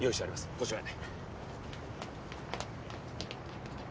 こちらへ。